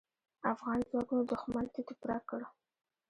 افغان ځواکونو دوښمن تيت و پرک کړ.